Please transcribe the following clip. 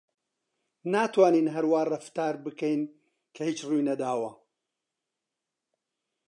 ناتوانین هەر وا ڕەفتار بکەین کە هیچ ڕووی نەداوە.